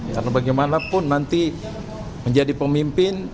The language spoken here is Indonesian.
karena bagaimanapun nanti menjadi pemimpin